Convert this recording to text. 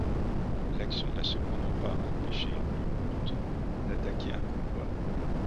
L'action n'a cependant pas empêché l'U-Boot d'attaquer un convoi.